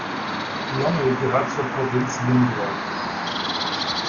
Lommel gehört zur Provinz Limburg.